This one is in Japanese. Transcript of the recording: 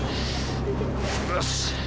よし！